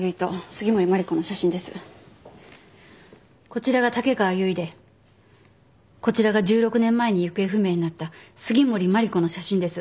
こちらが竹川由衣でこちらが１６年前に行方不明になった杉森真梨子の写真です。